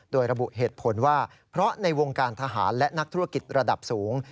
โดยระบุเหตุผลว่าเพราะในวงการทหารและนักธุรกิจระดับสูง